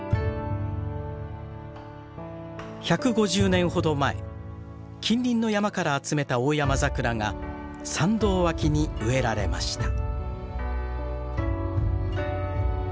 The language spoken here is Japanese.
１５０年ほど前近隣の山から集めたオオヤマザクラが参道脇に植えられました。